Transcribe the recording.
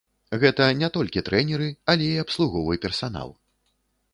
Гэта не толькі трэнеры, але і абслуговы персанал.